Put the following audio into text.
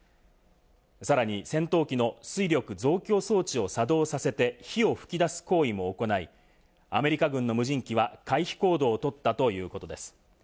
さらに戦闘機の推力増強装置を作動させて火を噴き出す行為も行い、アメリカ軍の無人機は回避行動を取ったということです。